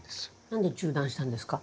何で中断したんですか？